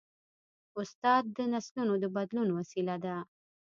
استاد د نسلونو د بدلون وسیله ده.